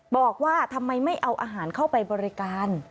บอกว่าทำไมไม่เอาอาหารเข้าไปบริการ